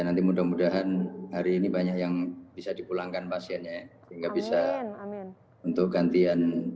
jadi mudah mudahan hari ini banyak yang bisa dipulangkan pasiennya hingga bisa untuk gantian